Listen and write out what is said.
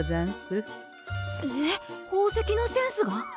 えっ宝石のセンスが！？